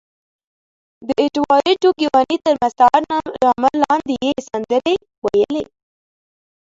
د اېډوارډو ګیواني تر مستعار نامه لاندې یې سندرې ویلې.